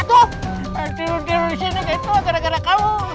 tidur disini gara gara kamu